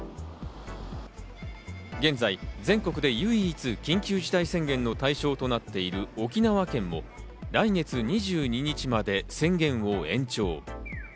現在、全国で唯一、緊急事態宣言の対象となっている沖縄県も来月２２日まで宣言を延長。